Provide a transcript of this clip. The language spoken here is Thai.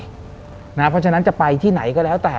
เพราะฉะนั้นจะไปที่ไหนก็แล้วแต่